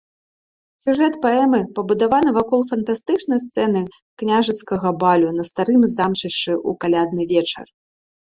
Сюжэт паэмы пабудаваны вакол фантастычнай сцэны княжацкага балю на старым замчышчы ў калядны вечар.